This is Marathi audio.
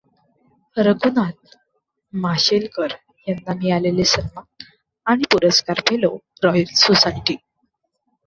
रघुनाथ माशेलकर यांना मिळालेले सन्मान आणि पुरस्कार फेलो, रॉयल सोसायटी.